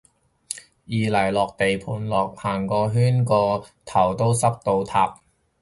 二嚟落地盤行個圈個頭都濕到塌